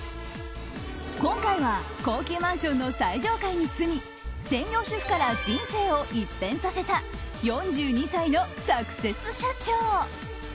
今回は高級マンションの最上階に住み専業主婦から人生を一変させた４２歳のサクセス社長。